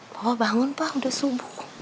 bapak bangun pak udah subuh